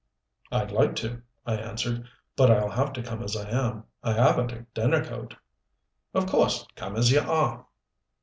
"I'd like to," I answered. "But I'll have to come as I am. I haven't a dinner coat " "Of course come as you are."